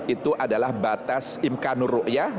itu adalah batas imkanur ruiah